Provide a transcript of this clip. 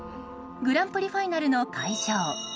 グランプリファイナルの会場